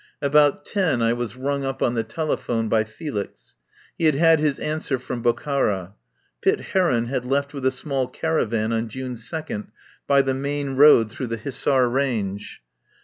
About ten I was rung up on the telephone by Felix. He had had his answer from Bokhara. Pitt Heron had left with a small caravan on June 2d by the main road through the Hissar range.